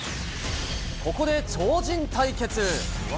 ここで超人対決。